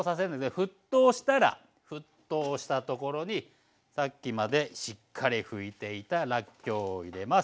沸騰したら沸騰したところにさっきまでしっかり拭いていたらっきょうを入れます。